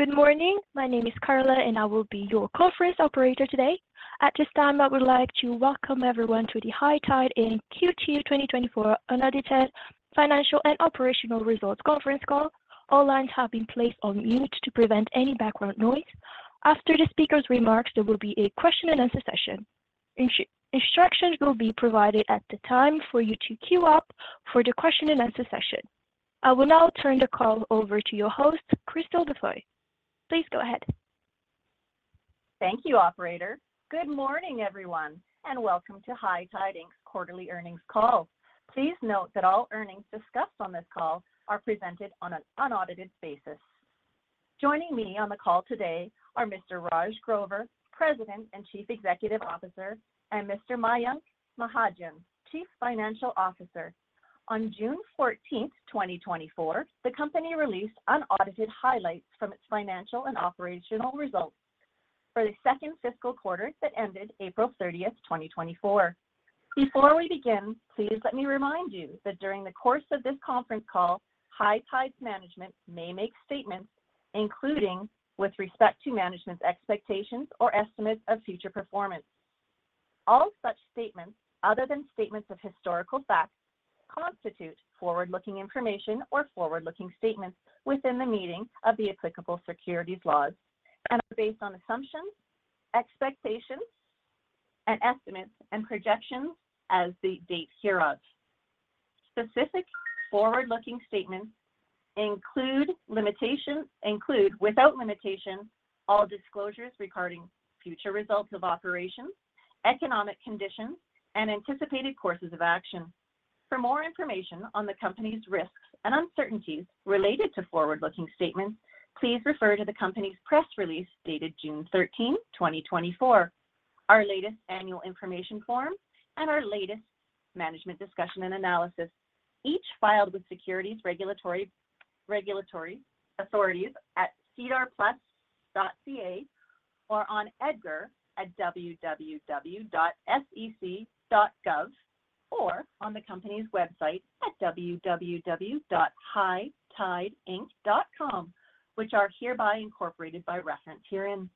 Good morning. My name is Carla and I will be your conference operator today. At this time, I would like to welcome everyone to the High Tide's Q2 2024 unaudited financial and operational results conference call. All lines have been placed on mute to prevent any background noise. After the speaker's remarks, there will be a question and answer session. Instructions will be provided at the time for you to queue up for the question and answer session. I will now turn the call over to your host, Krystal Dafoe. Please go ahead. Thank you, operator. Good morning everyone and welcome to High Tide Inc.'s quarterly earnings call. Please note that all earnings discussed on this call are presented on an unaudited basis. Joining me on the call today are Mr. Raj Grover, President and Chief Executive Officer, and Mr. Mayank Mahajan, Chief Financial Officer. On June 14, 2024, the company released unaudited highlights from its financial and operational results for the second fiscal quarter that ended April 30, 2024. Before we begin, please let me remind you that during the course of this conference call, High Tide's Management may make statements including with respect to management's expectations or estimates of future performance. All such statements, other than statements of historical facts, constitute forward looking information or forward looking statements within the meaning of the applicable securities laws and are based on assumptions, expectations and estimates and projections as the date hereof. Specific forward-looking statements include, without limitation, all disclosures regarding future results of operations, economic conditions and anticipated courses of action. For more information on the Company's risks and uncertainties related to forward-looking statements, please refer to the Company's press release dated June 13, 2024, our latest annual information form and our latest management discussion and analysis, each filed with securities regulatory authorities at Sedarplus.ca or on www.edgar.sec.gov or on the company's website at www.hightideinc.com, which are hereby incorporated by reference herein.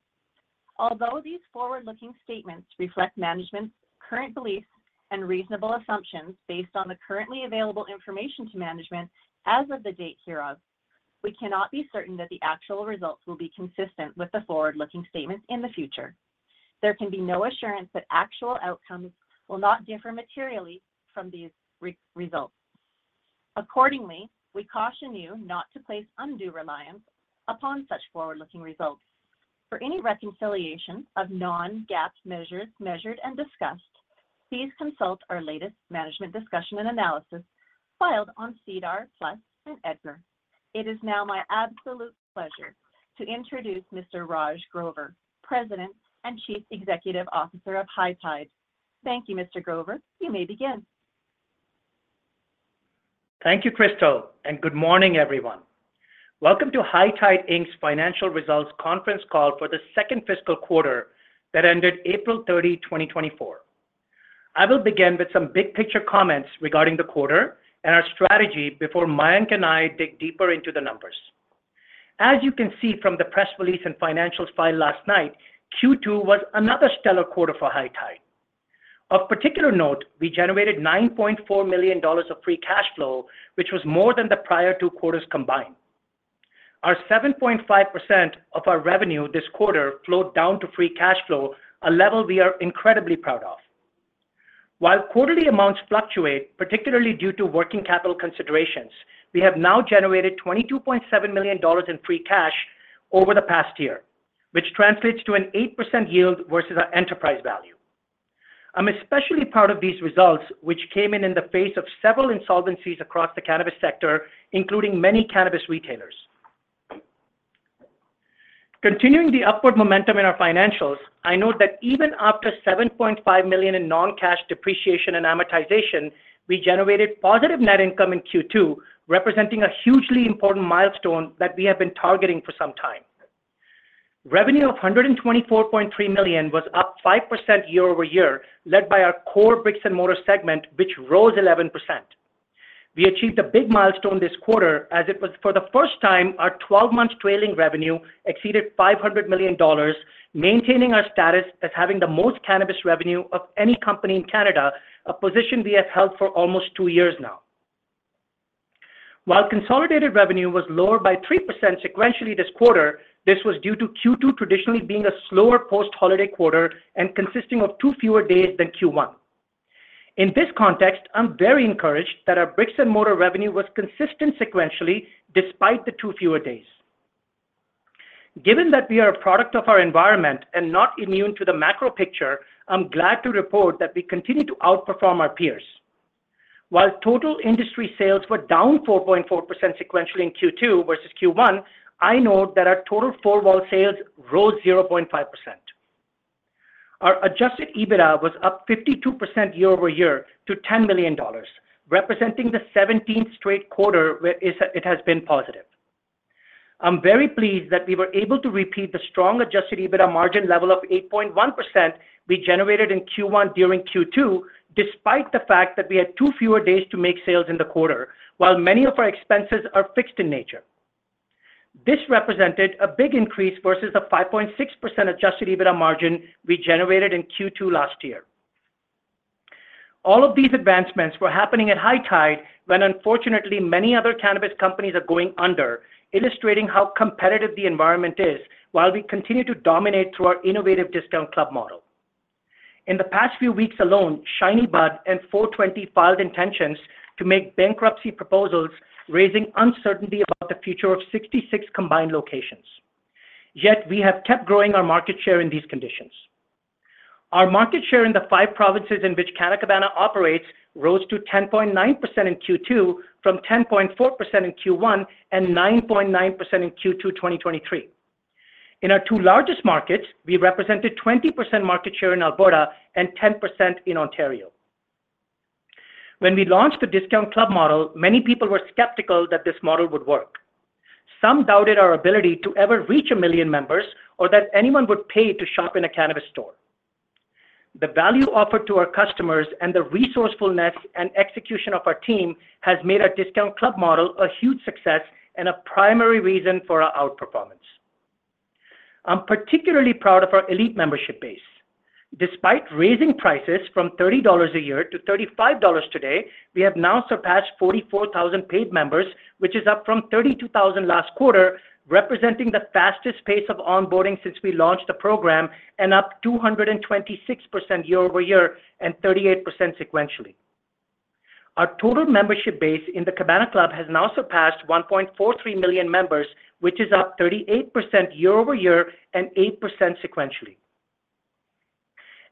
Although these forward-looking statements reflect management's current beliefs and reasonable assumptions based on the currently available information to management and as of the date hereof, we cannot be certain that the actual results will be consistent with the forward-looking statements in the future. There can be no assurance that actual outcomes will not differ materially from these results. Accordingly, we caution you not to place undue reliance upon such forward-looking results for any reconciliation of non-GAAP measures measured and discussed. Please consult our latest management discussion and analysis filed on SEDAR+ and EDGAR. It is now my absolute pleasure to introduce Mr. Raj Grover, President and Chief Executive Officer of High Tide. Thank you, Mr. Grover, you may begin. Thank you, Krystal, and good morning everyone. Welcome to High Tide Inc.'s financial results conference call for the second fiscal quarter that ended April 30, 2024. I will begin with some big picture comments regarding the quarter and our strategy before Mayank and I dig deeper into the numbers. As you can see from the press release and financials filed last night, Q2 was another stellar quarter for High Tide. Of particular note, we generated 9.4 million dollars of free cash flow, which was more than the prior two quarters combined. Our 7.5% of our revenue this quarter flowed down to free cash flow, a level we are incredibly proud of. While quarterly amounts fluctuate, particularly due to working capital considerations, we have now generated 22.7 million dollars in free cash over the past year, which translates to an 8% yield versus our enterprise value. I'm especially proud of these results which came in in the face of several insolvencies across the cannabis sector, including many cannabis retailers continuing the upward momentum in our financials. I note that even after 7.5 million in non-cash depreciation and amortization, we generated positive net income in Q2, representing a hugely important milestone that we have been targeting for some time. Revenue of 124.3 million was up 5% year-over-year, led by our core brick-and-mortar segment which rose 11%. We achieved a big milestone this quarter as it was for the first time. Our 12-month trailing revenue exceeded 500 million dollars, maintaining our status as having the most cannabis revenue of any company in Canada, a position we have held for almost two years now. While consolidated revenue was lower by 3% sequentially this quarter. This was due to Q2 traditionally being a slower post-holiday quarter and consisting of two fewer days than Q1. In this context, I'm very encouraged that our brick-and-mortar revenue was consistent sequentially despite the two fewer days. Given that we are a product of our environment and not immune to the macro picture, I'm glad to report that we continue to outperform our peers. While total industry sales were down 4.4% sequentially in Q2 versus Q1, I note that our total four-wall sales rose 0.5%. Our adjusted EBITDA was up 52% year-over-year to 10 million dollars, representing the 17th straight quarter where it has been positive. I'm very pleased that we were able to repeat the strong adjusted EBITDA margin level of 8.1% we generated in Q1 during Q2 despite the fact that we had two fewer days to make sales in the quarter. While many of our expenses are fixed in nature, this represented a big increase versus the 5.6% adjusted EBITDA margin we generated in Q2 last year. All of these advancements were happening at High Tide when, unfortunately, many other cannabis companies are going under, illustrating how competitive the environment is while we continue to dominate through our innovative discount club model. In the past few weeks alone, ShinyBud and FOUR20 filed intentions to make bankruptcy proposals, raising uncertainty about the future of 66 combined locations. Yet we have kept growing our market share in these conditions. Our market share in the five provinces in which Canna Cabana operates rose to 10.9% in Q2 from 10.4% in Q1 and 9.9% in Q2 2023. In our two largest markets, we represented 20% market share in Alberta and 10% in Ontario. When we launched the discount club model, many people were skeptical that this model would work. Some doubted our ability to ever reach 1 million members or that anyone would pay to shop in a cannabis store. The value offered to our customers and the resourcefulness and execution of our team has made our discount club model a huge success and a primary reason for our outperformance. I'm particularly proud of our elite membership base. Despite raising prices from 30 dollars a year to 35 dollars today, we have now surpassed 44,000 paid members, which is up from 32,000 last quarter, representing the fastest pace of onboarding since we launched the program and up 226% year-over-year and 38% sequentially. Our total membership base in the Cabana Club has now surpassed 1.43 million members, which is up 38% year-over-year and 8% sequentially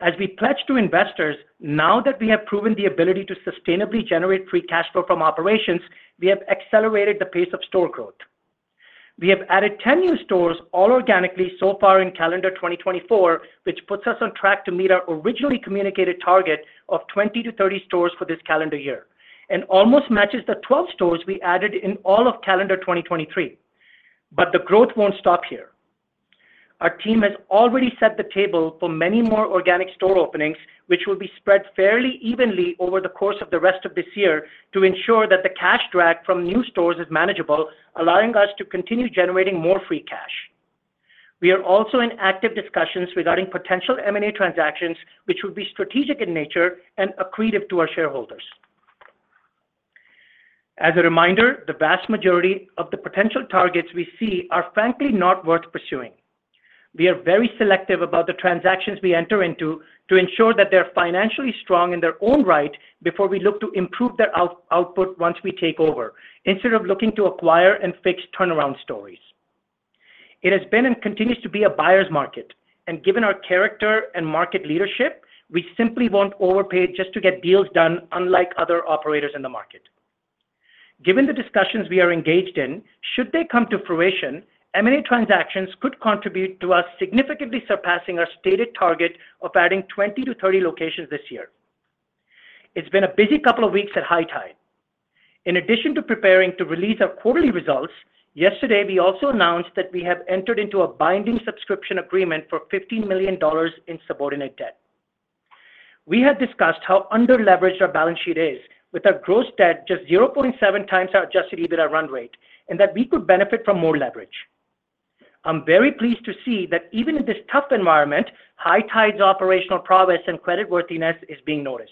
as we pledge to investors. Now that we have proven the ability to sustainably generate free cash flow from operations, we have accelerated the pace of store growth. We have added 10 new stores, all organically so far in calendar 2024, which puts us on track to meet our originally communicated target of 20 to 30 stores for this calendar year and almost matches the 12 stores we added in all of calendar 2023. But the growth won't stop here. Our team has already set the table for many more organic store openings, which will be spread fairly evenly over the course of the rest of this year to ensure that the cash drag from new stores is manageable, allowing us to continue generating more free cash. We are also in active discussions regarding potential M&A transactions, which would be strategic in nature and accretive to our shareholders. As a reminder, the vast majority of the potential targets we see are frankly not worth pursuing. We are very selective about the transactions we enter into to ensure that they are financially strong in their own right before we look to improve their output once we take over instead of looking to acquire and fix turnaround stories. It has been and continues to be a buyer's market and given our character and market leadership, we simply won't overpay just to get deals done. Unlike other operators in the market, given the discussions we are engaged in, should they come to fruition, M&A transactions could contribute to us significantly surpassing our stated target of adding 20-30 locations this year. It's been a busy couple of weeks at High Tide. In addition to preparing to release our quarterly results yesterday, we also announced that we have entered into a binding subscription agreement for 15 million dollars in subordinate debt. We had discussed how underleveraged our balance sheet is with our gross debt just 0.7x our Adjusted EBITDA run rate, and that we could benefit from more leverage. I'm very pleased to see that even in this tough environment, High Tide's operational prowess and creditworthiness is being noticed.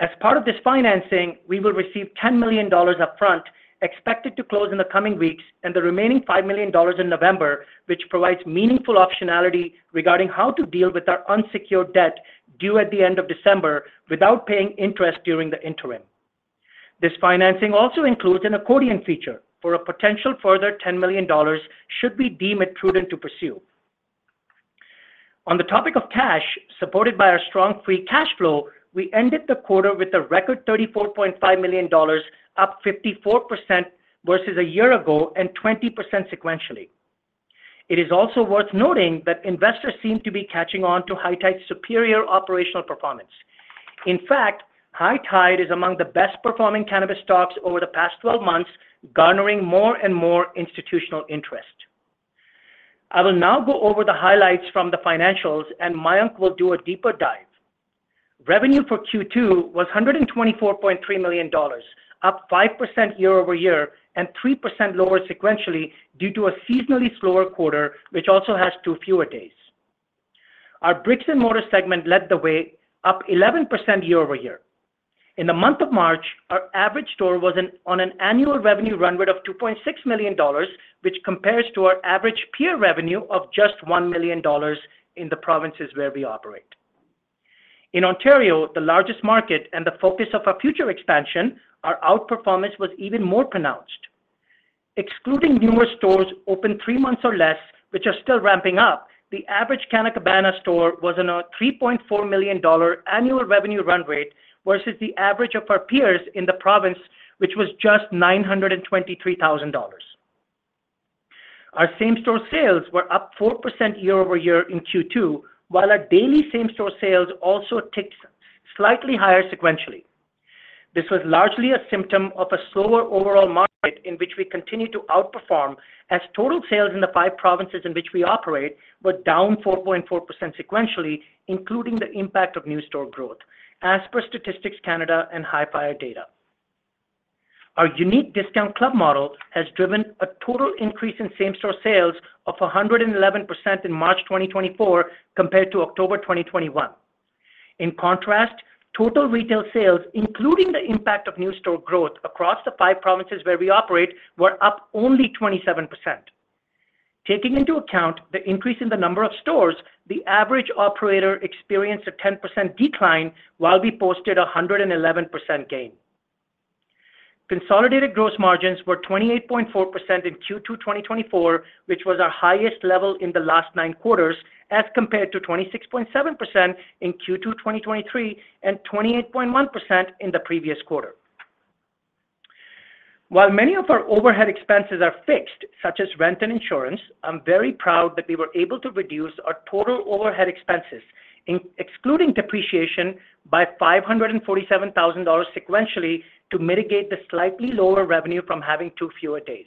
As part of this financing, we will receive 10 million dollars upfront, expected to close in the coming weeks, and the remaining 5 million dollars in November, which provides meaningful optionality regarding how to deal with our unsecured debt due at the end of December without paying interest during the interim. This financing also includes an accordion feature for a potential further 10 million dollars should we deem it prudent to pursue. On the topic of cash, supported by our strong free cash flow, we ended the quarter with a record 34.5 million dollars, up 54% versus a year ago and 20% sequentially. It is also worth noting that investors seem to be catching on to High Tide's superior operational performance. In fact, High Tide is among the best performing cannabis stocks over the past 12 months, garnering more and more institutional interest. I will now go over the highlights from the financials and Mayank will do a deeper dive. Revenue for Q2 was 124.3 million dollars, up 5% year-over-year and 3% lower sequentially due to a seasonally slower quarter which also has two fewer days. Our brick-and-mortar segment led the way, up 11% year-over-year. In the month of March, our average store was on an annual revenue run rate of 2.6 million dollars, which compares to our average peer revenue of just 1 million dollars in the provinces where we operate in Ontario, the largest market and the focus of our future expansion, our outperformance was even more pronounced. Excluding newer stores open three months or less, which are still ramping up, the average Canna Cabana store was on a 3.4 million dollar annual revenue run rate versus the average of our peers in the province, which was just 923,000 dollars. Our same store sales were up 4% year-over-year in Q2, while our daily same store sales also ticked slightly higher sequentially. This was largely a symptom of a slower overall market in which we continue to outperform as total sales in the five provinces in which we operate were down 4.4% sequentially, including the impact of new store growth. As per Statistics Canada and Hif yre data, our unique discount club model has driven a total increase in same store sales of 111% in March 2024 compared to October 2021. In contrast, total retail sales, including the impact of new store growth across the five provinces where we operate were up only 27%. Taking into account the increase in the number of stores, the average operator experienced a 10% decline while we posted 111% gain. Consolidated gross margins were 28.4% in Q2 2024, which was our highest level in the last nine quarters and as compared to 26.7% in Q2 2023 and 28.1% in the previous quarter. While many of our overhead expenses are fixed such as rent and insurance, I'm very proud that we were able to reduce our total overhead expenses, excluding depreciation by 547,000 dollars sequentially to mitigate the slightly lower revenue from having two fewer days.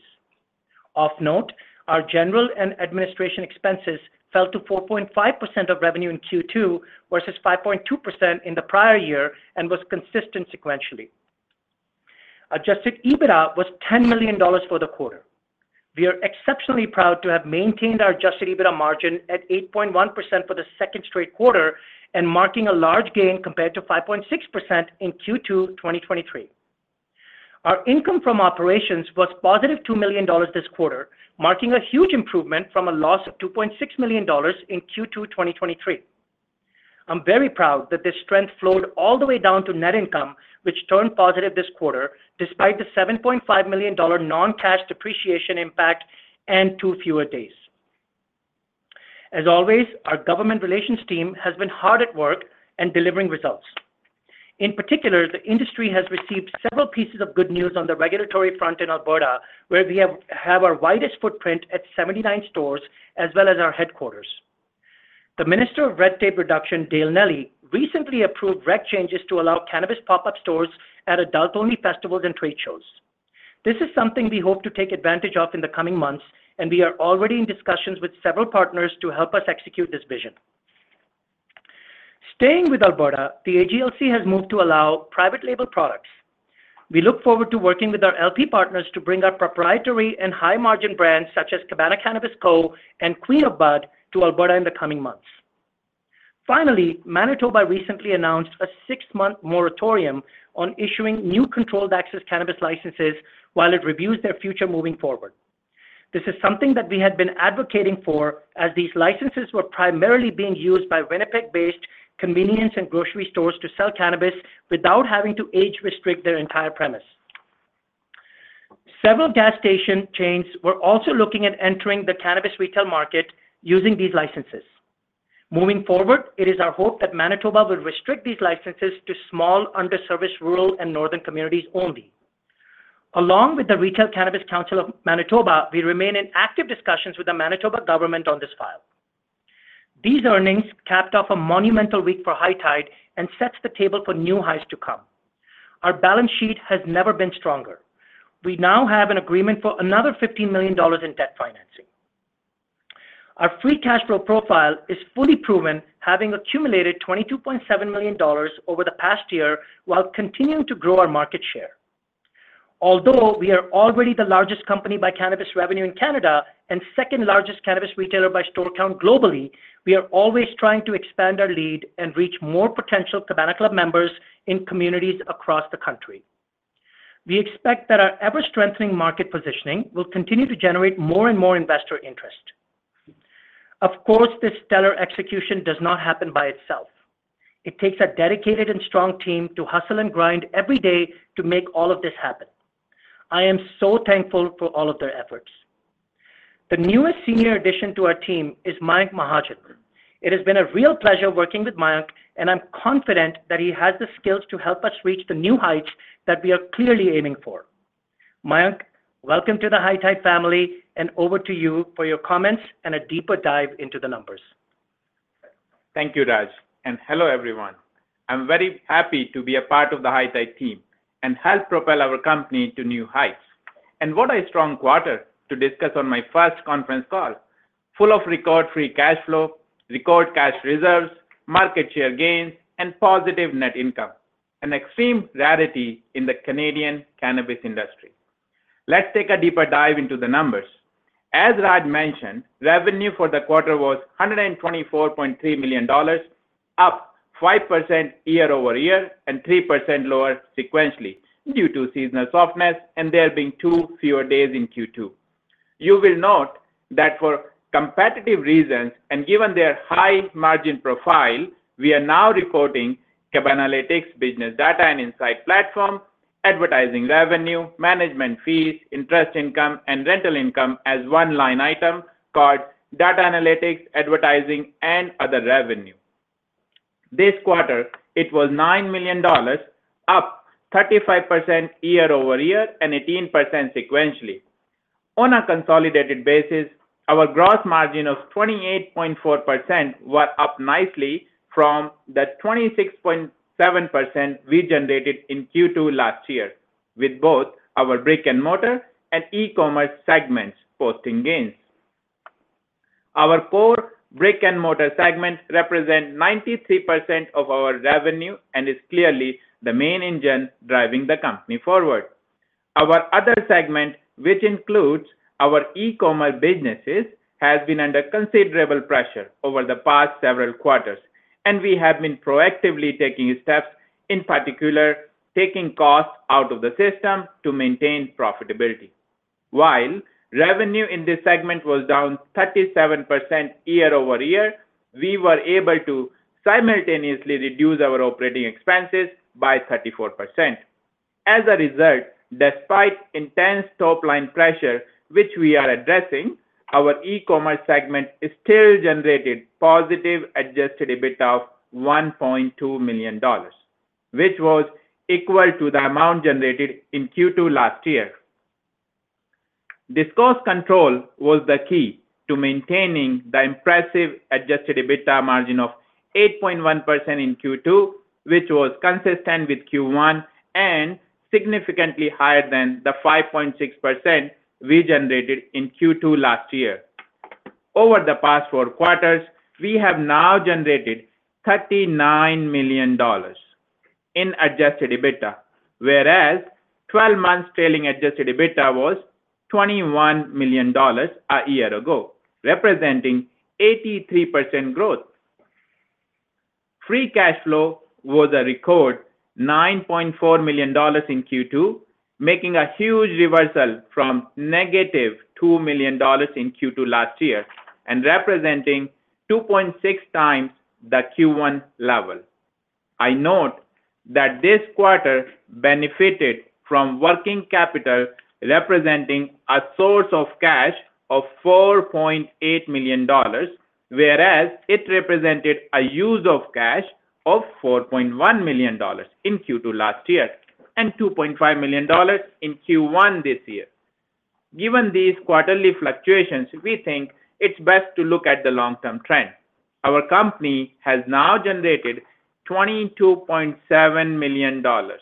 Of note, our general and administration expenses fell to 4.5% of revenue in Q2 versus 5.2% in the prior year and was consistent. Sequentially Adjusted EBITDA was 10 million dollars for the quarter. We are exceptionally proud to have maintained our Adjusted EBITDA margin at 8.1% for the second straight quarter and marking a large gain compared to 5.6% in Q2 2023. Our income from operations was positive 2 million dollars this quarter, marking a huge improvement from a loss of 2.6 million dollars in Q2 2023. I'm very proud that this strength flowed all the way down to net income, which turned positive this quarter despite the 7.5 million dollar non-cash depreciation impact and two fewer days. As always, our government relations team has been hard at work and delivering results. In particular, the industry has received several pieces of good news on the regulatory front in Alberta, where we have our widest footprint at 79 stores as well as our headquarters. The Minister of Red Tape Reduction, Dale Nally, recently approved rec changes to allow cannabis pop-up stores at adult-only festivals and trade shows. This is something we hope to take advantage of in the coming months and we are already in discussions with several partners to help us execute this vision. Staying with Alberta, the AGLC has moved to allow private label products. We look forward to working with our LP partners to bring our proprietary and high-margin brands such as Cabana Cannabis Co and Queen of Bud to Alberta in the coming months. Finally, Manitoba recently announced a six-month moratorium on issuing new controlled access cannabis licenses while it reviews their future moving forward. Thank you. This is something that we had been advocating for as these licenses were primarily being used by Winnipeg based convenience and grocery stores to sell cannabis without having to age restrict their entire premise. Several gas station chains were also looking at entering the cannabis retail market using these licenses. Moving forward, it is our hope that Manitoba will restrict these licenses to small, underserviced, rural and northern communities only. Along with the Retail Cannabis Council of Manitoba, we remain in active discussions with the Manitoba government on this file. These earnings capped off a monumental week for High Tide and sets the table for new highs to come. Our balance sheet has never been stronger. We now have an agreement for another 15 million dollars in debt financing. Our free cash flow profile is fully proven having accumulated 22.7 million dollars over the past year while continuing to grow our market share. Although we are already the largest company by cannabis revenue in Canada and second largest cannabis retailer by store count globally, we are always trying to expand our lead and reach more potential Cabana Club members in communities across the country. We expect that our ever strengthening market positioning will continue to generate more and more investor interest. Of course, this stellar execution does not happen by itself. It takes a dedicated and strong team to hustle and grind every day to make all of this happen. I am so thankful for all of their efforts. The newest senior addition to our team is Mayank Mahajan. It has been a real pleasure working with Mayank and I'm confident that he has the skills to help us reach the new heights that we are clearly aiming for. Mayank, welcome to the High Tide family and over to you for your comments and a deeper dive into the numbers. Thank you Raj and hello everyone. I'm very happy to be a part of the High Tide team and help propel our company to new heights. What a strong quarter to discuss on my first conference call. Full of record free cash flow. Record cash reserves, market share gains and positive net income, an extreme rarity in the Canadian cannabis industry. Let's take a deeper dive into the numbers. As Raj mentioned, revenue for the quarter was 124.3 million dollars, up 5% year-over-year and 3% lower sequentially due to seasonal softness and there being two fewer days in Q2. You will note that for competitive reasons and given their high margin profile, we are now reporting Cabanalytics, business data and insights platform advertising revenue, management fees, interest income and rental income as one line item called data, analytics, advertising and other revenue. This quarter it was 9 million dollars, up 35% year-over-year and 18% sequentially. On a consolidated basis, our gross margin of 28.4% were up nicely from the 26.7% we generated in Q2 last year. With both up brick-and-mortar and E-commerce segments posting gains. Our core brick-and-mortar segment represent 93% of our revenue and is clearly the main engine driving the company forward. Our other segment, which includes our E-commerce businesses, has been under considerable pressure over the past several quarters and we have been proactively taking steps, in particular, taking costs out of the system to maintain profitability. While revenue in this segment was down 37% year-over-year, we were able to simultaneously reduce our operating expenses by 34%. As a result, despite intense top line pressure which we are addressing, our E-commerce segment still generated positive adjusted EBITDA of 1.2 million dollars, which was equal to the amount generated in Q2 last year. This cost control was the key to maintaining the impressive adjusted EBITDA margin of 8.1% in Q2, which was consistent with Q1 and significantly higher than the 5.6% we generated in Q2 last year. Over the past four quarters we have now generated 39 million dollars in adjusted EBITDA, whereas 12 months trailing adjusted EBITDA was 21 million dollars a year ago, representing 83% growth. Free cash flow was a record 9.4 million dollars in Q2, making a huge reversal from negative 20 million dollars in Q2 last year and representing 2.6 times the Q1 level. I note that this quarter benefited from working capital representing a source of cash of 4.8 million dollars, whereas it represented a use of cash of 4.1 million dollars in Q2 last year and 2.5 million dollars in Q1 this year. Given these quarterly fluctuations, we think it's best to look at the long term trend. Our company has now generated 22.7 million dollars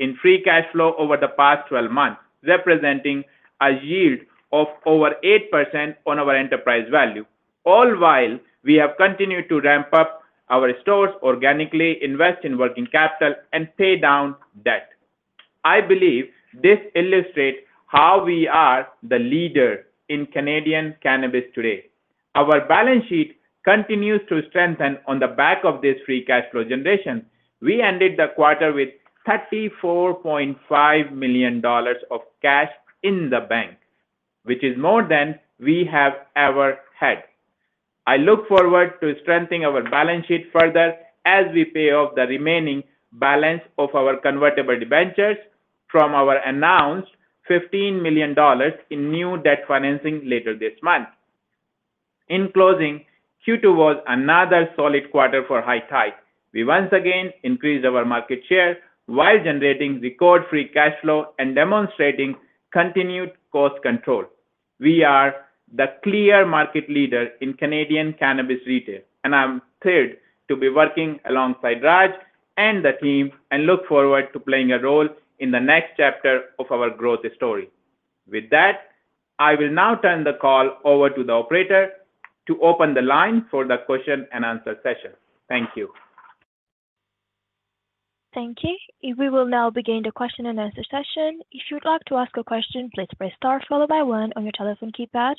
in free cash flow over the past 12 months representing a yield of over 8% on our enterprise value. All while we have continued to ramp up our stores organically, invest in working capital and pay down debt. I believe this illustrates how we are the leader in Canadian cannabis today. Our balance sheet continues to strengthen on the back of this free cash flow generation. We ended the quarter with 34.5 million dollars of cash in the bank, which is more than we have ever had. I look forward to strengthening our balance sheet further and as we pay off the remaining balance of our convertible debentures from our announced 15 million dollars in new debt financing later this month. In closing, Q2 was another solid quarter for High Tide. We once again increased our market share while generating record free cash flow and demonstrating continued cost control. We are the clear market leader in Canadian cannabis retail and I'm thrilled to be working alongside Raj and the team and look forward to playing a role in the next chapter of our growth story. With that, I will now turn the call over to the operator to open the line for the question and answer session. Thank you. Thank you. We will now begin the question and answer session. If you'd like to ask a question, please press star followed by one on your telephone keypad.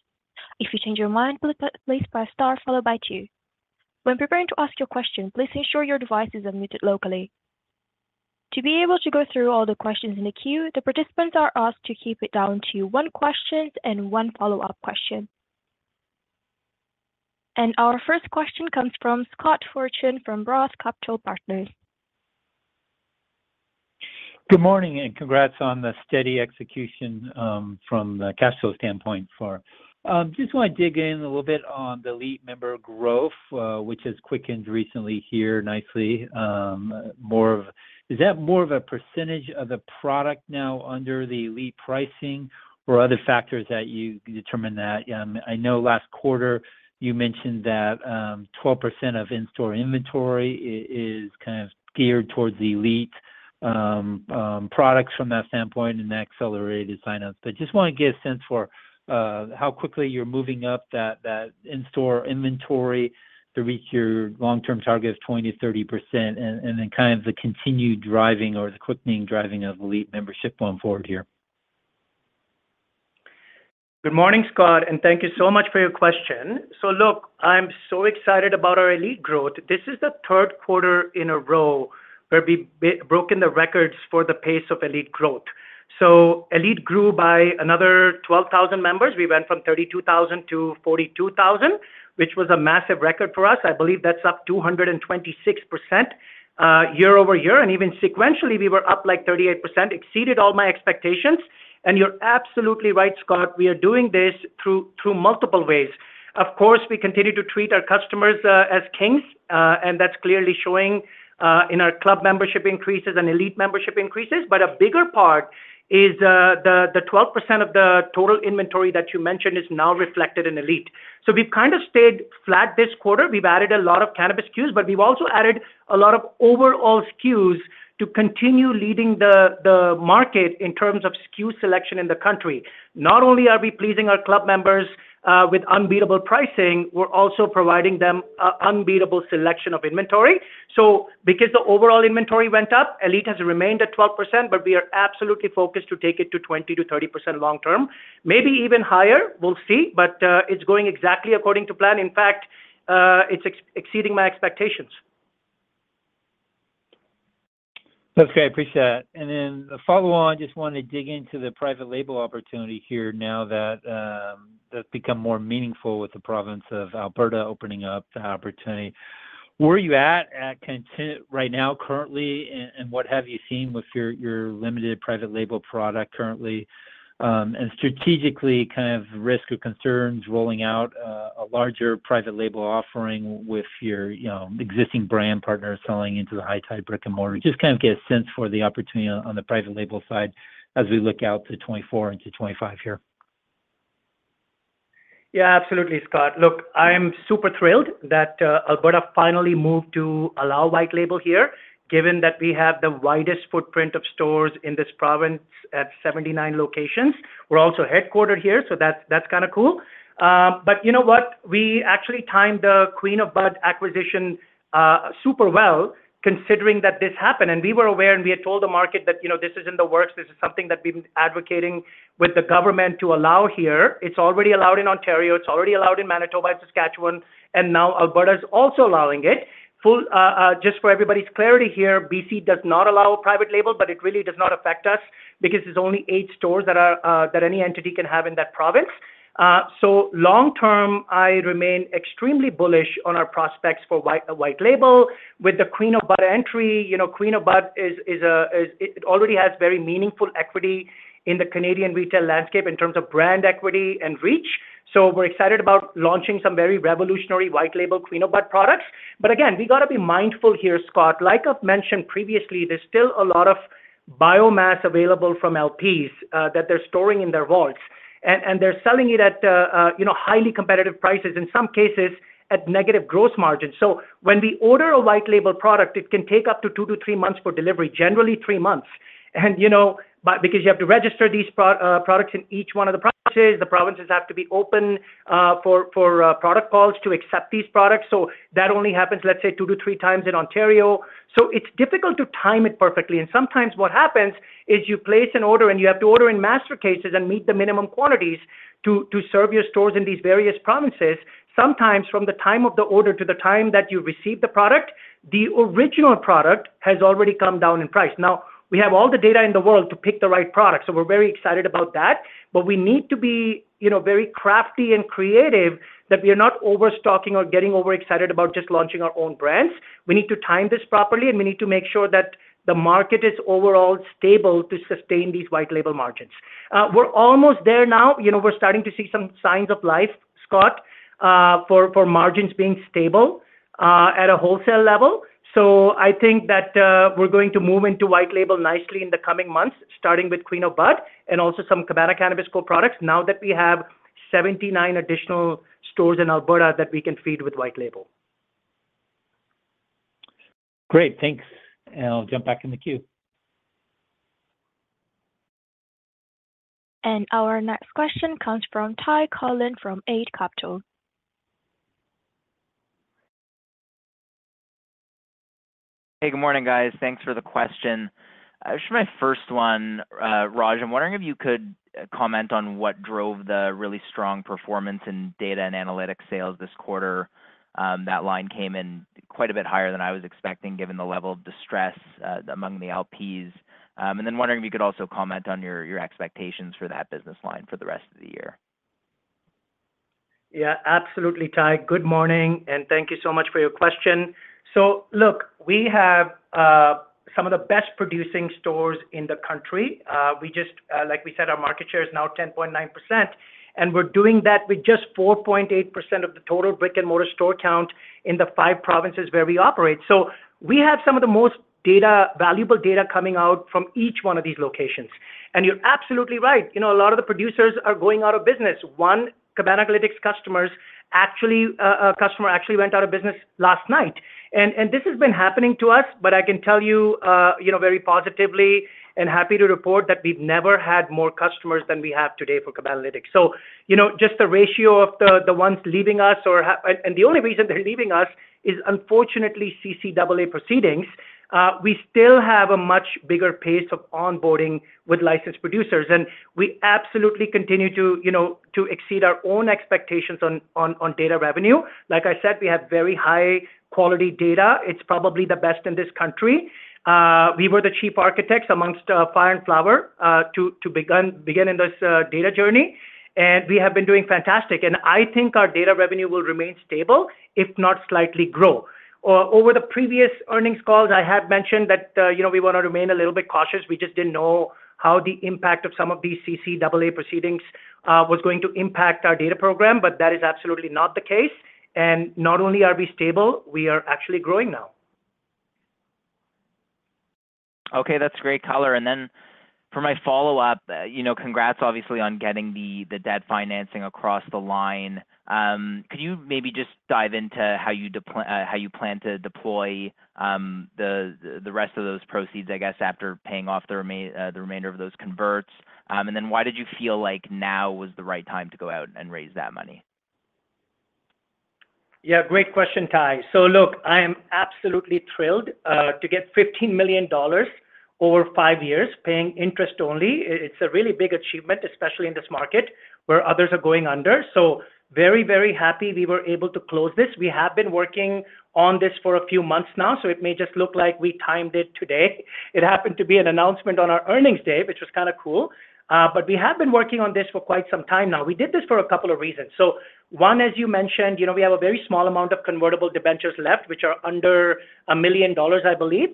If you change your mind, please press star followed by two. When preparing to ask your question, please ensure your device is unmuted locally to be able to go through all the questions in the queue. The participants are asked to keep it down to one question and one follow up question. Our first question comes from Scott Fortune from Roth MKM. Good morning and congrats on the steady execution from the cash flow standpoint. So just want to dig in a little bit on the Elite member growth which has quickened recently here nicely. Is that more of a percentage of the product now under the Elite pricing or other factors that you determine that. I know last quarter you mentioned that 12% of in-store inventory is kind of geared towards the Elite products from that standpoint and accelerated sign-ups. But just want to get a sense for how quickly you're moving up that in-store inventory to reach your long-term target of 20%-30% and then kind of the continued driving or the quickening driving of Elite membership going forward here. Good morning, Scott, and thank you so much for your question. So look, I'm so excited about our Elite growth. This is the third quarter in a row where we broken the records for the pace of Elite growth. So Elite grew by another 12,000 members. We went from 32,000 to 44,000 which was a massive record for us, I believe that's up 226% year-over-year. And even sequentially, we were up like 38%. Exceeded all my expectations. And you're absolutely right, Scott. We are doing this through multiple ways. Of course, we continue to treat our customers as kings, and that's clearly showing in our club membership increases and Elite membership increases. But a bigger part is the 12% of the total inventory that you mentioned is now reflected in Elite. So we've kind of stayed flat this quarter. We've added a lot of cannabis SKUs, but we've also added a lot of overall SKUs to continue leading the market in terms of SKU selection in the country. Not only are we pleasing our club members with unbeatable pricing, we're also providing them unbeatable selection of inventory. So because the overall inventory went up, Elite has remained at 12%, but we are absolutely focused to take it to 20%-30% long term, maybe even higher. We'll see. But it's going exactly according to plan. In fact, it's exceeding my expectations. Okay, I appreciate it. And then follow on. Just wanted to dig into the private label opportunity here. Now that become more meaningful with the Province of Alberta opening up the opportunity. Where are you at right now currently and what have you seen with your limited private label product currently and strategically, kind of risk or concerns rolling out a larger private label offering with your existing brand partners selling into the High Tide brick-and-mortar. Just kind of get a sense for the opportunity on the private label side as we look out to 2024 and to 2025 here. Yeah, absolutely, Scott. Look, I am super thrilled that Alberta finally moved to allow white label here, given that we have the widest footprint of stores in this province at 79 locations. We're also headquartered here. That's kind of cool. But you know what? We actually timed the Queen of Bud acquisition super well. Considering that this happened and we were aware and we had told the market that this is in the works. This is something that we've been advocating with the government to allow here. It's already allowed in Ontario. It's already allowed in Manitoba and Saskatchewan. And now Alberta is also allowing it. Just for everybody's clarity here, BC does not allow private label, but it really does not affect us because there's only eight stores that any entity can have in that province. So long term, I remain extremely bullish on our prospects for white label with the Queen of Bud entry. Queen of Bud already has very meaningful equity in the Canadian retail landscape in terms of brand equity and reach. So we're excited about launching some very revolutionary white label Queen of Bud products. But again, we got to be mindful here, Scott, like I've mentioned previously, there's still a lot of biomass available from LPs that they're storing in their vaults and they're selling it at highly competitive prices, in some cases at negative gross margins. So when we order a white label product, it can take up to two to three months for delivery, generally three months because you have to register these products in each one of the provinces. The provinces have to be open for product calls to accept these products. So that only happens, let's say 2-3 times in Ontario. So it's difficult to time it perfectly. And sometimes what happens is you place an order and you have to order in master cases and meet the minimum quantities to serve your stores in these various provinces. Sometimes from the time of the order to the time that you receive the product, the original product has already come down in price. Now we have all the data in the world to pick the right product. So we're very excited about that. But we need to be very crafty and creative that we are not overstocking or getting over excited about just launching our own brands. And we need to time this properly and we need to make sure that the market is overall stable to sustain these white label margins. We're almost there now. We're starting to see some signs of life, Scott, for margins being stable at a wholesale level. So I think that we're going to move into white label nicely in the coming months, starting with Queen of Bud and also some Cabana Cannabis Co products now that we have 79 additional stores in Alberta that we can feed with white label. Great, thanks and I'll jump back in the queue. Our next question comes from Ty Collin from Eight Capital. Hey, good morning guys. Thanks for the question. My first one, Raj, I'm wondering if you could comment on what drove the really strong performance in data and analytics sales this quarter. That line came in quite a bit higher than I was expecting given the level of distress among the LPs. And then wondering if you could also comment on your expectations for that business line for the rest of the year. Yeah, absolutely. Ty, good morning and thank you so much for your question. So look, we have some of the best producing stores in the country. We just like we said, our market share is now 10.9% and we're doing that with just 4.8% of the total brick-and-mortar store count in the five provinces where we operate. So we have some of the most valuable data coming out from each one of these locations. And you're absolutely right. A lot of the producers are going out of business. One Cabanalytics customer actually went out of business last night. And this has been happening to us. But I can tell you very positively and happy to report that we've never had more customers than we have today for Cabanalytics. So just the ratio of the ones leaving us, and the only reason they're leaving us is, unfortunately, CCAA proceedings. We still have a much bigger pace of onboarding with licensed producers and we absolutely continue to exceed our own expectations on data revenue. Like I said, we have very high quality data. It's probably the best in this country. We were the chief architects amongst Fire & Flower to begin in this data journey. And we have been doing fantastic. And our data revenue will remain stable, if not slightly grow over the previous earnings calls. I have mentioned that we want to remain a little bit cautious. We just didn't know how the impact of some of these CCAA proceedings was going to impact our data program. But that is absolutely not the case. And not only are we stable, we are actually growing now. Okay, that's great. Color. And then for my follow up, congrats, obviously, on getting the debt financing across the line. Could you maybe just dive into how you plan to deploy the rest of those proceeds, I guess, after paying off the remainder of those converts? And then why did you feel like now was the right time to go out and raise that money? Yeah, great question, Ty. So, look, I am absolutely thrilled to get 15 million dollars over 5 years, paying interest only. It's a really big achievement, especially in this market where others are going under. So very, very happy we were able to close this. We have been working on this for a few months now, so it may just look like we timed it today, it happened to be an announcement on our earnings day, which was kind of cool. But we have been working on this for quite some time now. We did this for a couple of reasons. So one, as you mentioned, we have a very small amount of convertible debentures left, which are under 1 million dollars, I believe.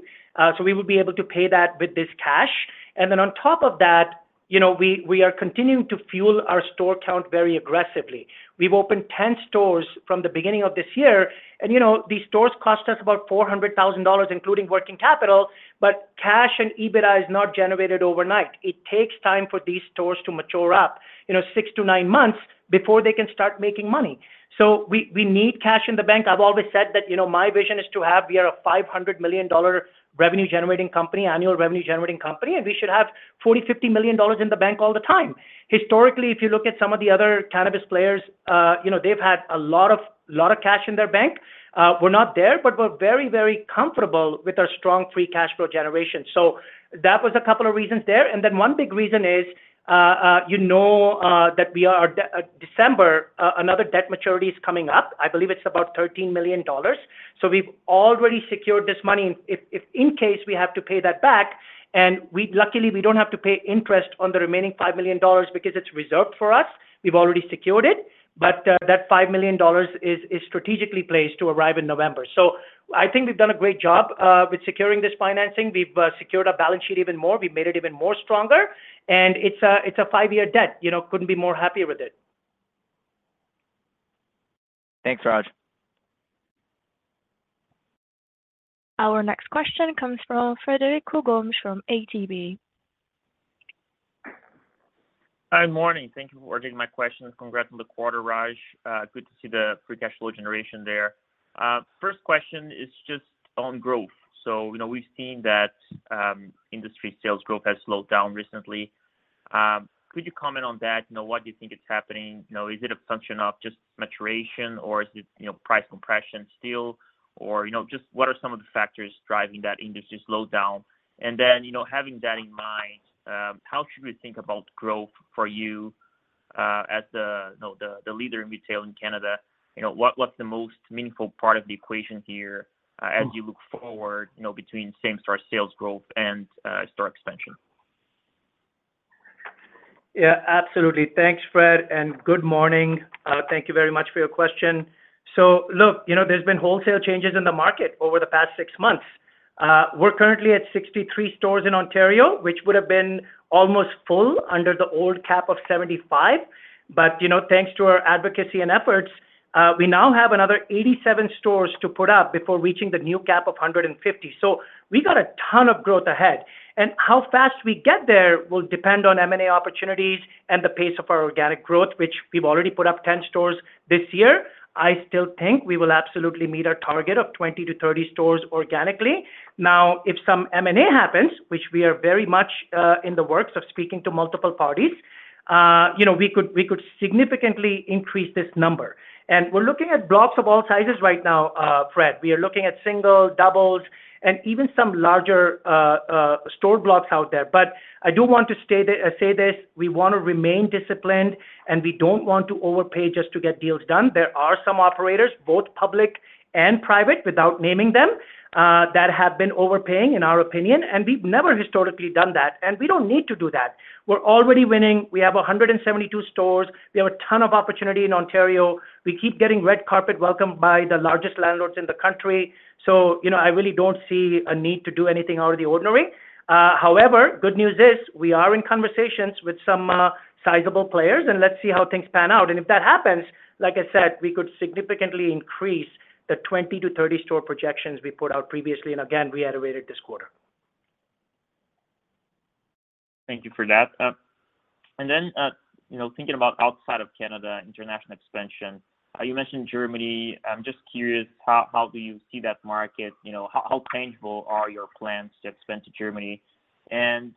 So we will be able to pay that with this cash. Then on top of that, you know, we are continuing to fuel our store count very aggressively. We've opened 10 stores from the beginning of this year. And, you know, these stores cost us about 400,000 dollars, including working capital. But cash and EBITDA is not generated overnight. It takes time for these stores to mature up you know, 6-9 months before they can start making money. So we need cash in the bank. I've always said that, you know, my vision is to have, we are a 500 million dollar revenue generating company, annual revenue generating company, and we should have 40 million-50 million dollars in the bank all the time. Historically, if you look at some of the other cannabis players, they've had a lot of cash in their bank. We're not there, but we're very, very comfortable with our strong free cash flow generation. So that was a couple of reasons there. And then one big reason is, you know, that we are December, another debt maturity is coming up. I believe it's about 13 million dollars. So we've already secured this money in case we have to. And luckily we don't have to pay interest on the remaining 5 million dollars because it's reserved for us. We've already secured it. But that 5 million dollars is strategically placed to arrive in November. So I think we've done a great job with securing this financing. We've secured our balance sheet even more, we've made it even more stronger and it's a five year debt. Couldn't be more happier with it. Thanks, Raj. Our next question comes from Frederico Gomes from ATB. Good morning. Thank you for taking my question. Congrats on the quarter, Raj. Good to see the free cash flow generation there. First question is just on growth. So we've seen that industry sales growth has slowed down recently. Could you comment on that? What do you think is happening? Is it a function of just maturation or is it price compression still? Or just what are some of the factors driving that industry slowdown? And then having that in mind, how should we think about growth for you as the leader in retail in Canada, what's the most meaningful part of the equation here as you look forward between same store sales growth and store expansion? Yeah, absolutely. Thanks, Fred. And good morning. Thank you very much for your question. So look, you know, there's been wholesale changes in the market over the past six months. We're currently at 63 stores in Ontario, which would have been almost full under the old cap of 75. But you know, thanks to our advocacy and efforts, we now have another 87 stores to put up before reaching the new cap of 150. So we got a ton of growth ahead and how fast we get there will depend on M&A opportunities and the pace of our organic growth, which we've already put up 10 stores this year. I still think we will absolutely meet our target of 20-30 stores organically. Now, if some M&A happens, which we are very much in the works of speaking to multiple parties, we could significantly increase this number. We're looking at blocks of all sizes right now, Fred. We are looking at single, doubles and even some larger store blocks out there. But I do want to say this. We want to remain disciplined and we don't want to overpay just to get deals done. There are some operators, both public and private, without naming them, that have been overpaying in our opinion. We've never historically done that. We don't need to do that. We're already winning. We have 172 stores. We have a ton of opportunity in Ontario. We keep getting red carpet welcomed by the largest landlords in the country. So I really don't see a need to do anything out of the ordinary. However, good news is we are in conversations with some sizable players and let's see how things pan out. And if that happens, like I said, we could significantly increase the 20-30 store projections we put out previously and again reiterated this quarter. Thank you for that. And then thinking about outside of Canada, international expansion, you mentioned Germany. I'm just curious, how do you see that market? How tangible are your plans to expand to Germany? And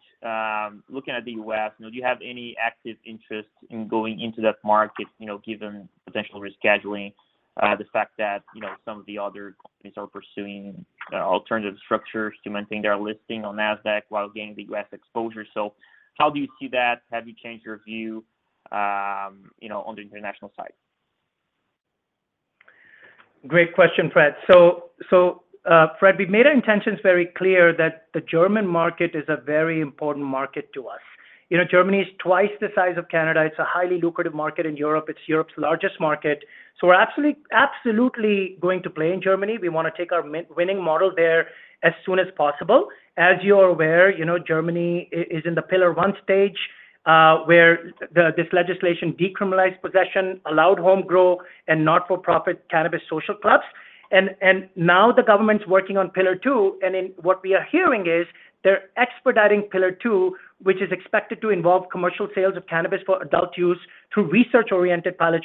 looking at the U.S. do you have any active interest in going into that market given potential rescheduling? The fact that some of the other companies are pursuing alternative structures to maintain their listing on NASDAQ while gaining the U.S. exposure? So how do you see that? Have you changed your view on the international side? Great question, Fred. Fred, we've made our intentions very clear that the German market is a very important market to us. You know, Germany is twice the size of Canada. It's a highly lucrative market. In Europe, it's Europe's largest market. So we're absolutely, absolutely going to play in Germany. We want to take our winning model there as soon as possible. As you are aware, Germany is in the Pillar One stage where this legislation decriminalized possession, allowed home grow, and not-for-profit cannabis social clubs. Now the government's working on Pillar Two, and what we are hearing is they're expediting Pillar Two, which is expected to involve commercial sales of cannabis for adult use through research-oriented pilot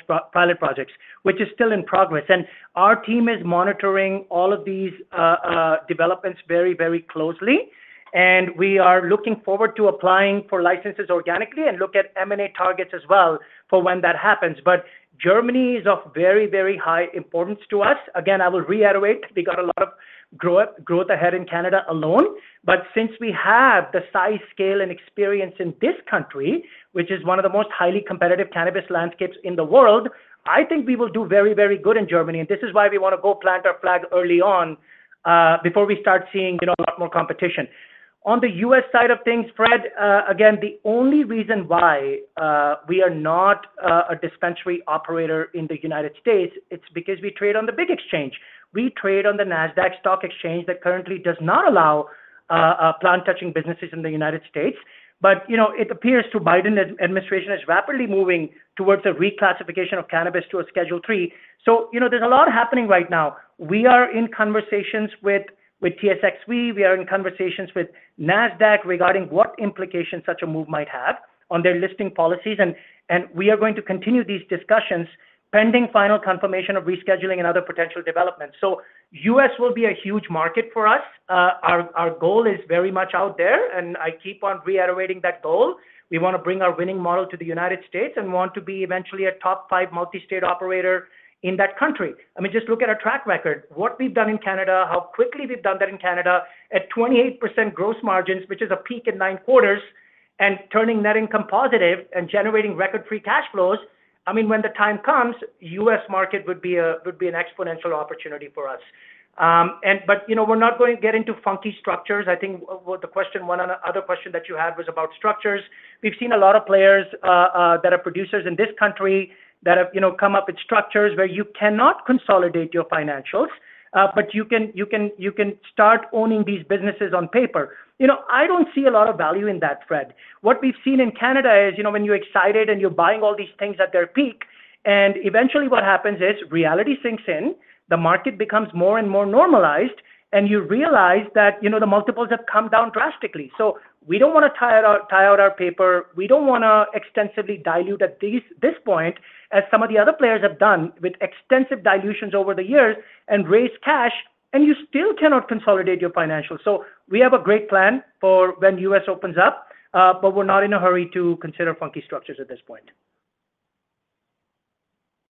projects, which is still in progress. And our team is monitoring all of these developments very, very closely. And we are looking forward to applying for licenses organically and look at M&A targets as well for when that happens. But Germany is of very, very high importance to us. Again, I will reiterate, we got a lot of growth ahead in Canada alone. But since we have the size, scale and experience in this country, which is one of the most highly competitive cannabis landscapes in the world, I think we will do very, very good in Germany. And this is why we want to go plant our flag early on before we start seeing a lot more competition on the U.S. side of things. Fred, again, the only reason why we are not a dispensary in the United States, it's because we trade on the big exchange. We trade on the NASDAQ stock exchange that currently does not allow plant-touching businesses in the United States. But you know, it appears the Biden administration is rapidly moving towards a reclassification of cannabis to a Schedule 3. So, you know, there's a lot happening right now. We are in conversations with TSXV. We are in conversations with NASDAQ regarding what implications such a move might have on their listing policies. And we are going to continue these discussions pending final confirmation of rescheduling and other potential developments. So U.S. will be a huge market for us. Our goal is very much out there and I keep on reiterating that goal. We want to bring our winning model to the United States and want to be eventually a top five multi-state operator in that country. I mean, just look at our track record, what we've done in Canada, how quickly we've done that in Canada at 28% gross margins, which is a peak in nine quarters and turning net income positive and generating record free cash flows. I mean when the time comes, U.S. market would be an exponential opportunity for us. But we're not going to get into funky structures. I think the question, one other question that you had was about structures. We've seen a lot of players that are producers in this country that have come up with structures where you cannot consolidate your financials but you can start owning these businesses. On paper, I don't see a lot of value in that. Fred, what we've seen in Canada is when you're excited and you're buying all these things at their peak and eventually what happens is reality sinks in, the market becomes more and more normalized and you realize that the multiples have come down drastically. So we don't want to tie out our paper, we don't want to extensively dilute at this point, as some of the other players have done with extensive dilutions over the years and raised cash and you still cannot consolidate your financials. So we have a great plan for when U.S. opens up, but we're not in a hurry to consider funky structures at this point.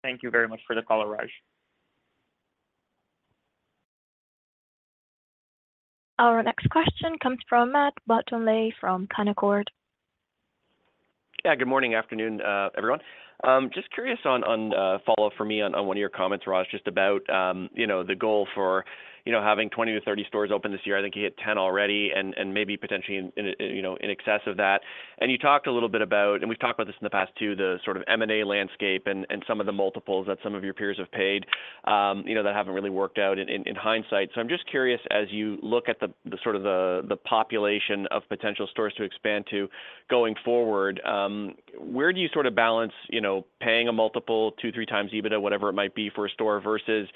Thank you very much for the call, Raj. Our next question comes from Matt Bottomley from Canaccord Genuity. Good morning. Afternoon everyone. Just curious on a follow-up for me on one of your comments, Raj. Just about the goal for, you know, having 20-30 stores open this year. I think he hit 10 already and maybe potentially in excess of that. And you talked a little bit about, and we've talked about this in the past too, the sort of M&A landscape and some of the multiples that some of your peers have paid that haven't really worked out in hindsight. So I'm just curious, as you look at the population of potential stores to expand to going forward, where do you sort of balance paying a multiple 2, 3 times EBITDA, whatever it might be for a store versus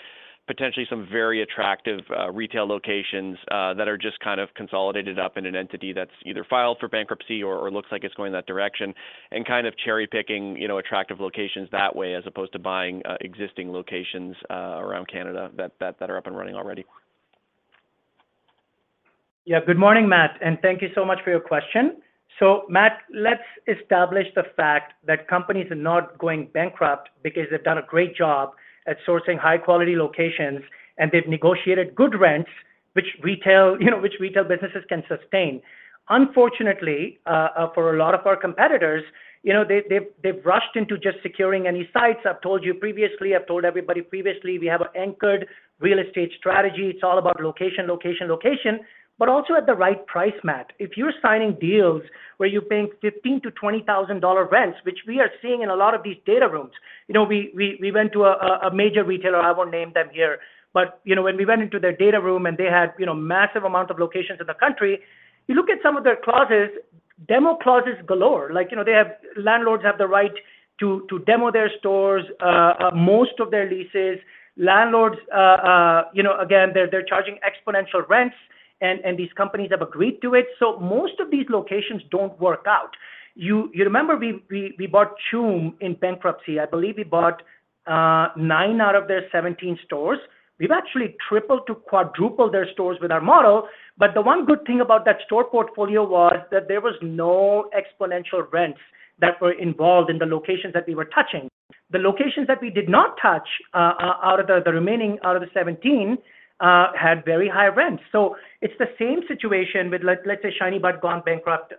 potentially some very attractive retail locations that are just kind of consolidated up in an entity that's either filed for bankruptcy or looks like it's going that direction and kind of cherry picking attractive locations that way as opposed to buying existing locations around Canada that are up and running already? Yeah, good morning, Matt, and thank you so much for your question. So Matt, let's establish the fact that companies are not going bankrupt because they've done a great job at sourcing high quality locations and they've negotiated good rents and which retail, you know, which retail businesses can sustain. Unfortunately for a lot of our competitors, you know, they've rushed into just securing any sites. I've told you previously, I've told everybody previously, we have an anchored real estate strategy. It's all about location, location, location, but also at the right price. Matt, if you're signing deals where you're paying 15,000-20,000 dollar rents, which we are seeing in a lot of these data rooms, you know, we went to a major retailer, I won't name them here, but when we went into their data room and they had massive amount of locations in the country, you look at some of their clauses, demo clauses galore. Landlords have the right to demo their stores, most of their leases. Landlords, again, they're charging exponential rents and these companies have agreed to it. Most of these locations don't work out. You remember we bought Choom in bankruptcy. I believe we bought 9 out of their 17 stores. We've actually tripled to quadruple their stores with our model. But the one good thing about that store portfolio was that there was no exponential rents that were involved in the locations that we were touching. The locations that we did not touch out of the remaining out of the 17 had very high rents. It's the same situation with, let's say, ShinyBud, but gone bankrupt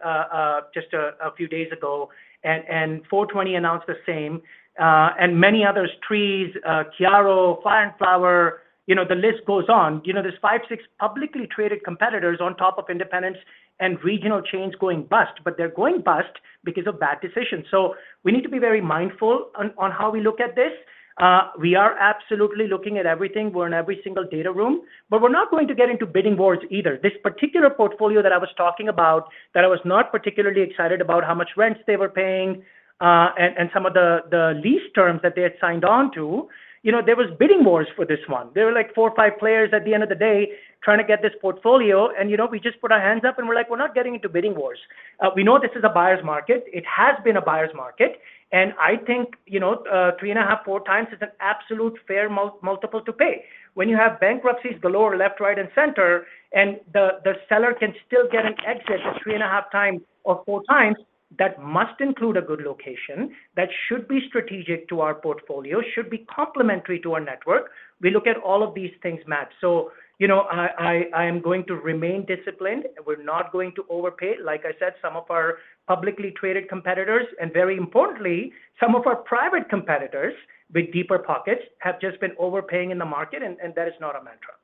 just a few days ago. FOUR20 announced the same and many others. Trees, Kiaro, Fire & Flower. The list goes on. There's five, six publicly traded competitors on top of independents and regional chains going bust, but they're going bust because of bad decisions. We need to be very mindful on how we look at this. We are absolutely looking at everything. We're in every single data room, but we're not going to get into bidding wars either. This particular portfolio that I was talking about that I was not particularly excited about, how much rents they were paying and some of the lease terms that they had signed on to, there was bidding wars for this one. There were like 4 or 5 players at the end of the day trying to get this portfolio. We just put our hands up and we're like, we're not getting into bidding wars. We know this is a buyer's market. It has been a buyer's market. And I think 3.5x or 4x is an absolute fair multiple to pay. When you have bankruptcies left, right, and center, and the seller can still get an exit 3.5 times or 4 times. That must include a good location. That should be strategic to our portfolio, should be complementary to our network. We look at all of these things, Matt. So, you know, I am going to remain disciplined, and we're not going to overpay. Like I said, some of our publicly traded competitors and very importantly, some of our private competitors with deeper pockets have just been overpaying in the market. That is not a matter of.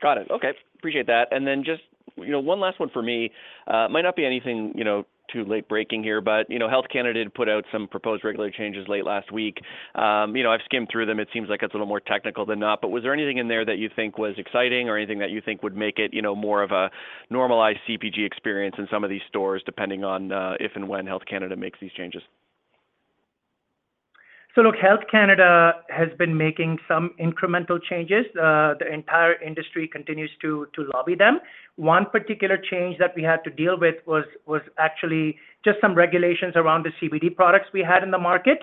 Got it. Okay. Appreciate that. And then just, you know, one last one for me. Might not be anything, you know, too late-breaking here, but, you know, Health Canada put out some proposed regulatory changes late last week. You know, I've skimmed through them. It seems like it's a little more technical than not, but was there anything in there that you think was exciting or anything that you think would make it, you know, more of a normalized CPG experience in some of these stores, depending on if and when Health Canada makes these changes? So, look, Health Canada has been making some incremental changes. The entire industry continues to lobby them. One particular change that we had to deal with was actually just some regulations around the CBD products we had in the market.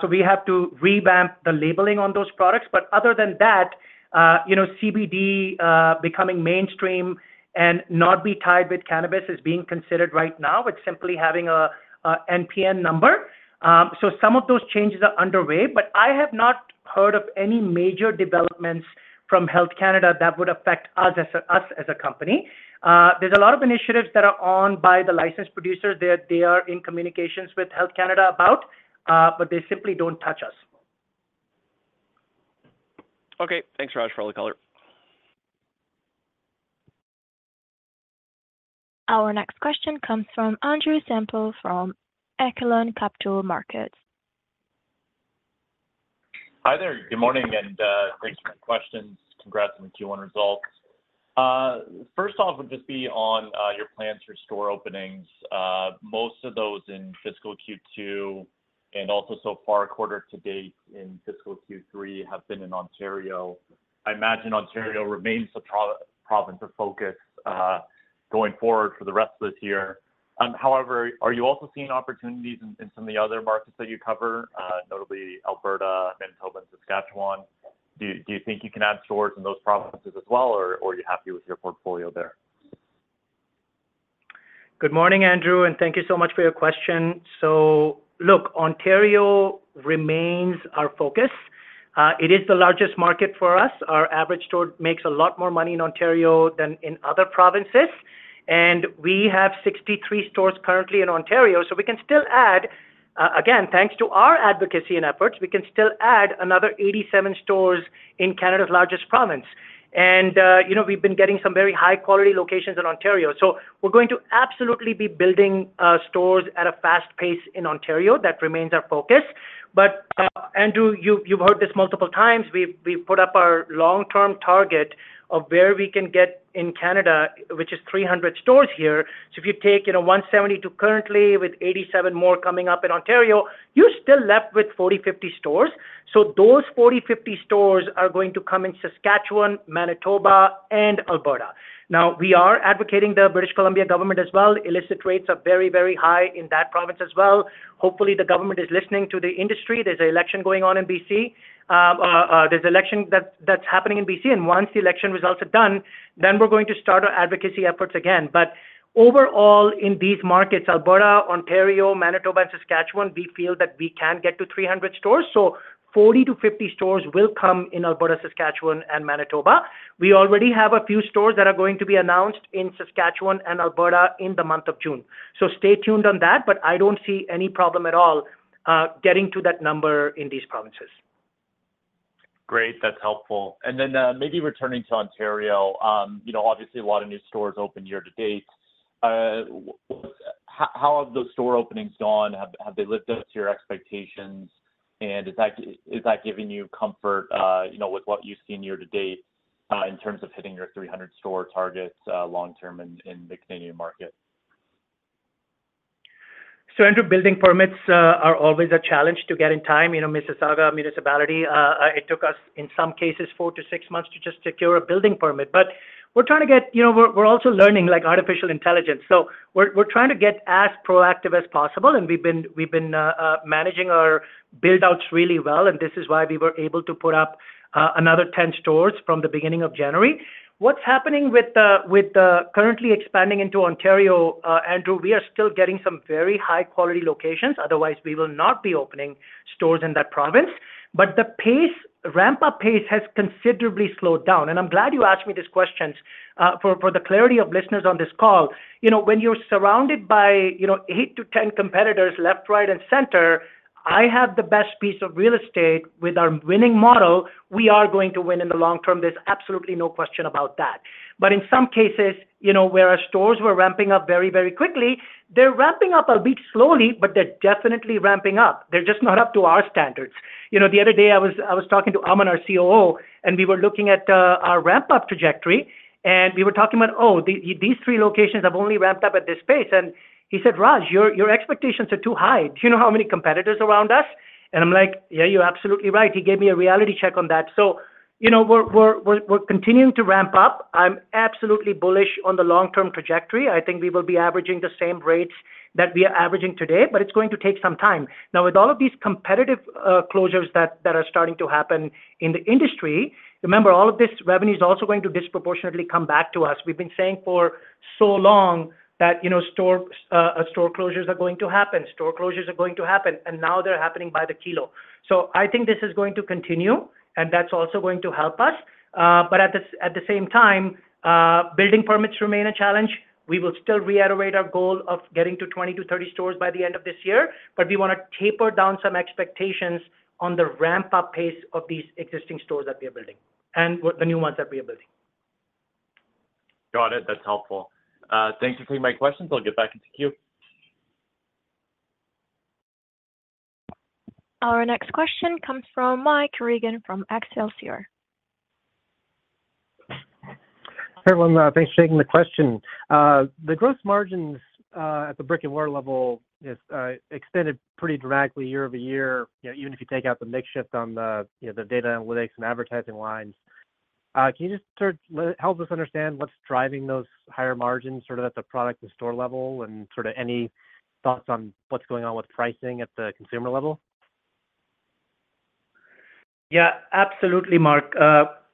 So we have to revamp the labeling on those products. But other than that, CBD becoming mainstream and not be tied with cannabis is being considered right now. It's simply some of those changes are underway, but I have not heard of any major developments from Health Canada that would affect us as a company. There's a lot of initiatives that are on by the licensed producers they are in communications with Health Canada about, but they simply don't touch us. Okay, thanks Raj, for all the color. Our next question comes from Andrew Semple from Echelon Capital Markets. Hi there. Good morning and thanks for questions. Congrats on the Q1 results. First off would just be on your plans for store openings. Most of those in fiscal Q2 and also so far quarter to date in fiscal Q3 have been in Ontario. I imagine Ontario remains the province of focus going forward for the rest of this year. However, are you also seeing opportunities in some of the other markets that you cover, notably Alberta, Manitoba and Saskatchewan? Do you think you can add stores in those provinces as well or are you happy with your portfolio there? Good morning, Andrew, and thank you so much for your question. So look, Ontario remains our focus. It is the largest market for us. Our average store makes a lot more money in Ontario than in other provinces. And we have 63 stores currently in Ontario. So we can still add, again, thanks to our advocacy and efforts, we can still add another 87 stores in Canada's largest province. And you know, we've been getting some very high quality locations in Ontario. So we're going to absolutely be building stores at a fast pace in Ontario. That remains our focus. But Andrew, you've heard this multiple times. We've put up our long-term target of where we can get in Canada, which is 300 stores here. So if you take 172 currently with 87 more coming up in Ontario, you're still left with 40-50 stores. So those 40-50 stores are going to come in Saskatchewan, Manitoba and Alberta. Now we are advocating the British Columbia government as well. Illicit rates are very, very high in that province as hopefully the government is listening to the industry. There's an election going on in B.C. there's an election that's happening in B.C. and once the election results are done, then we're going to start our advocacy efforts again. But overall in these markets, Alberta, Ontario, Manitoba and Saskatchewan, we feel that we can get to 300 stores. So 40-50 stores will come in Alberta, Saskatchewan and Manitoba. We already have a few stores that are going to be announced in Saskatchewan and Alberta in the month of June, so stay tuned on that. But I don't see any problem at all getting to that number in these provinces. Great. That's helpful. And then maybe returning to Ontario. You know, obviously a lot of new stores open year to date. How have those store openings gone? Have they lived up to your expectations and is that giving you comfort, you know, with what you've seen year to date in terms of hitting your 300-store target long-term in the Canadian market? So, Andrew, building permits are always a challenge to get in time. You know, Mississauga municipality, it took us in some cases 4-6 months to just secure a building permit. But we're trying to get, you know, we're also learning like artificial intelligence. So we're trying to get as proactive as possible and we've been, we've been managing our build outs really well and this is why we were able to put up another 10 stores from the beginning of January. What's happening with currently expanding into Ontario, Andrew? We are still getting some very high quality locations. Otherwise we will not be opening stores in that province. But the ramp up pace has considerably slowed down, and I'm glad you asked me these questions for the clarity of listeners on this call. When you're surrounded by 8-10 competitors left, right, and center, I have the best piece of real estate with our winning model. We are going to win in the long term. There's absolutely no question about that. But in some cases where our stores were ramping up very, very quickly, they're ramping up a bit slowly, but they're definitely ramping up. They're just not up to our standards. The other day I was talking to Aman, our COO, and we were looking at our ramp up trajectory and we were talking about, oh, these 3 locations have only ramped up at this pace. And he said, Raj, your expectations are too high. Do you know how many competitors around us? I'm like, yeah, you're absolutely right. He gave me a reality check on that. We're continuing to ramp up. I'm absolutely bullish on the long term trajectory. I think we will be averaging the same rates that we are averaging today, but it's going to take some time now with all of these competitive closures that are starting to happen in the industry. Remember all of this revenue is also going to disproportionately come back to us. We've been saying for so long that, you know, store, store closures are going to happen. Store closures are going to happen and now they're happening by the kilo. I think this is going to continue and that's also going to help us. At the same time, building permits remain a challenge. We will still reiterate our goal of getting to 20-30 stores by the end of this year. But we want to taper down some expectations on the ramp up pace of these existing stores that we are building and what the new ones that we are building. Got it. That's helpful. Thanks for taking my questions. I'll get back into queue. Our next question comes from Mike Regan from Excelsior Equities. Hey everyone, thanks for taking the question. The gross margins at the brick-and-mortar level extended pretty dramatically year-over-year. Even if you take out the mix shift on the, you know, the data. Analytics and advertising lines, can you just. Help us understand what's driving those higher? Margins sort of at the product and. Any thoughts on what's going on with pricing at the consumer level? Yeah, absolutely. Mike,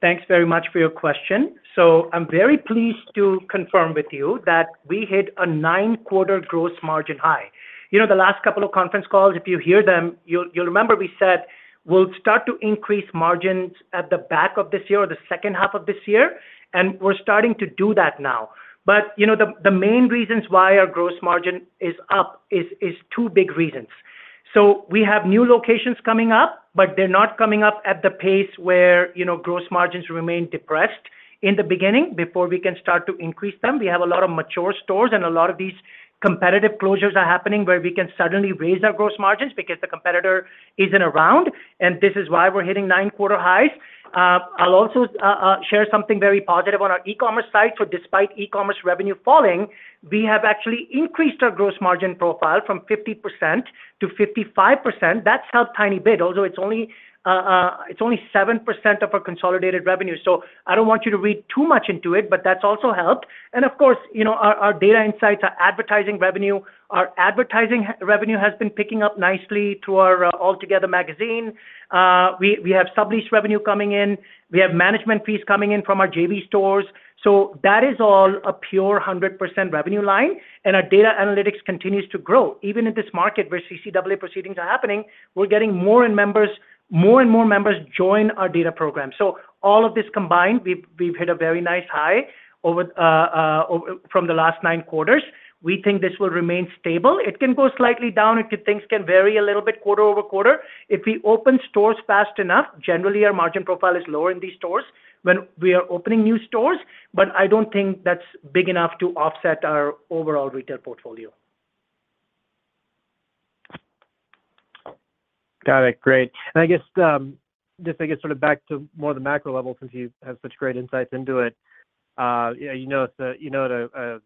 thanks very much for your question. So I'm very pleased to confirm with you that we hit a nine-quarter gross margin high. You know, the last couple of conference calls, if you hear them, you'll remember we said we'll start to increase margins at the back of this year or the second half of this year and we're starting to do that now. But the main reasons why our gross margin is up is two big reasons. We have new locations coming up, but they're not coming up at the pace where gross margins remain depressed in the beginning before we can start to increase them. We have a lot of mature stores and a lot of these competitive closures are happening where we can suddenly raise our gross margins because the competitor isn't around. And this is why we're hitting nine-quarter highs. I'll also share something very positive on our E-commerce side. So despite E-commerce revenue falling, we have actually increased our gross margin profile from 50%-55%. That's helped a tiny bit, although it's only 7% of our consolidated revenue. So I don't want you to read too much into it, but that's also helped. And of course our data insights, our advertising revenue, our advertising revenue has been picking up nicely through our Altogether Magazine. We have subleased revenue coming in. We have management fees coming in from our JV stores. So that is all a pure 100% revenue line. And our data analytics continues to grow even in this market where CCAA proceedings are happening. We're getting more and more members join our data program. So all of this combined we've hit a very nice high from the last nine quarters. We think this will remain stable. It can go slightly down. Things can vary a little bit, quarter-over-quarter if we open stores fast enough. Generally our margin profile is lower in these stores when we are opening new stores. But I don't think that's big enough to offset our overall retail portfolio. Got it. Great. I guess just, I guess sort of back to more the macro level since you have such great insights into it. You know,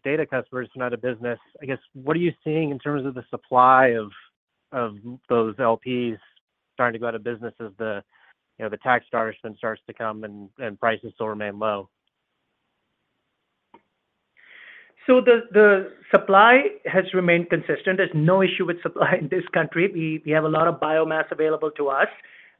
data customers are not a business, I guess. What are you seeing in terms of the supply of those LPs starting to go out of business as the, you. Now, the tax camage then starts to come and prices still remain low. So the supply has remained consistent. There's no issue with supply in this country. We have a lot of biomass available to us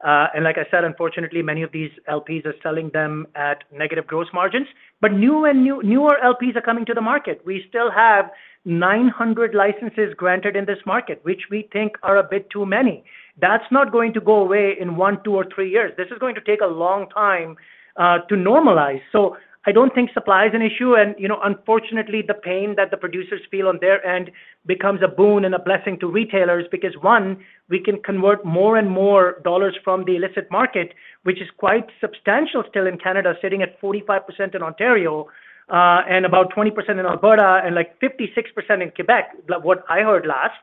and like I said, unfortunately many of these LPs are selling them at negative gross margins. But newer LPs are coming to the market. We still have 900 licenses granted in this market which we think are a bit too many. That's not going to go away in one, two or three years. This is going to take a long time to normalize. So I don't think supply is an issue. And unfortunately the pain that the producers feel on their end becomes a boon and a blessing to retailers because one, we can convert more and more dollars from the illicit market, which is quite substantial still in Canada, sitting at 45% in Ontario and about 20% in Alberta and like 56% in Quebec. What I heard last,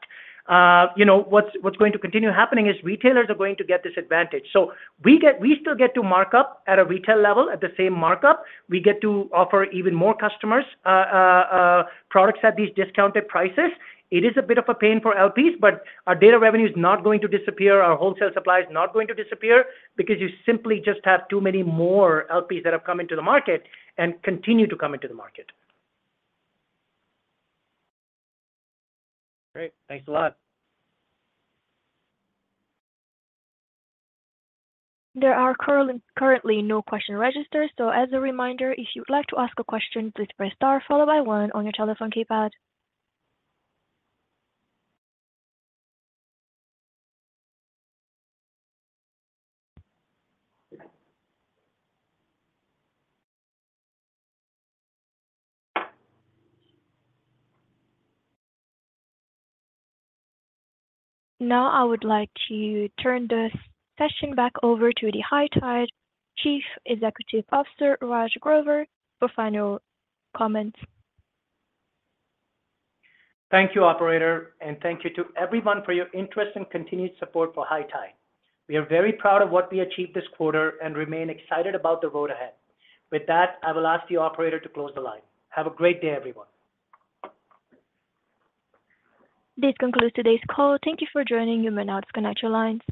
what's going to continue happening is retailers are going to get this advantage. So we still get to markup at a retail level at the same markup we get to offer even more customers products at these discounted prices. And it is a bit of a pain for LPs, but our data revenue is not going to disappear, our wholesale supply is not going to disappear because you simply just have too many more LPs that have come into the market and continue to come into the market. Great, thanks a lot. There are currently no question registers, so as a reminder, if you'd like to ask a question, please press star followed by one on your telephone keypad. Now I would like to turn this session back over to the High Tide Chief Executive Officer Raj Grover for final comments. Thank you operator. Thank you to everyone for your interest and continued support for High Tide. We are very proud of what we achieved this quarter and remain excited about the road ahead. With that I will ask the operator to close the line. Have a great day everyone. This concludes today's call. Thank you for joining. You may now disconnect your lines.